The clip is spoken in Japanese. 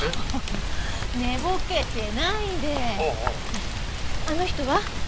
ねえあの人は？